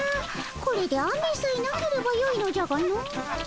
これで雨さえなければよいのじゃがの。